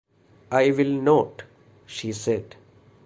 "I will not," she said.